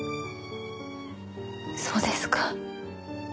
そうですか。